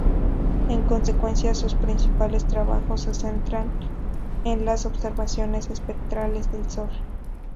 En consecuencia, sus principales trabajos se centraron en las observaciones espectrales del Sol.